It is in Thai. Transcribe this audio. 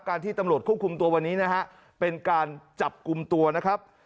ที่ตำรวจควบคุมตัววันนี้นะฮะเป็นการจับกลุ่มตัวนะครับ